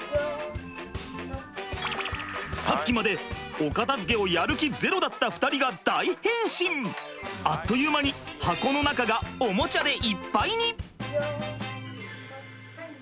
さっきまでお片づけをやる気ゼロだったあっという間に箱の中がおもちゃでいっぱいに！